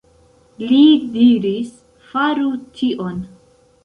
Li diris, faru tion.